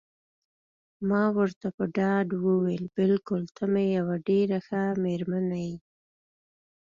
ما ورته په ډاډ وویل: بلکل ته مې یوه ډېره ښه میرمن یې.